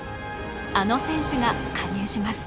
あの選手が加入します